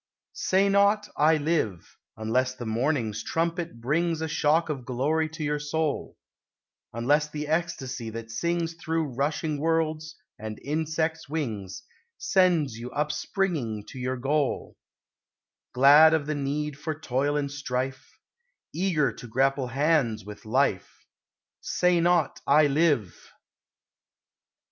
Say not, "I live!" Unless the morning's trumpet brings A shock of glory to your soul, Unless the ecstasy that sings Through rushing worlds and insects' wings, Sends you upspringing to your goal, Glad of the need for toil and strife, Eager to grapple hands with Life Say not, "I live!"